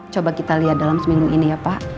coba kita lihat dalam seminggu ini ya pak